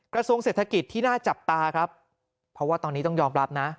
กระทรวงเศรษฐกิจที่น่าจับตาครับเพราะว่าตอนนี้ต้องยอมรับนะ